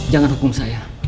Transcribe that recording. jangan hukum saya